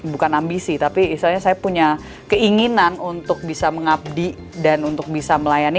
bukan ambisi tapi istilahnya saya punya keinginan untuk bisa mengabdi dan untuk bisa melayani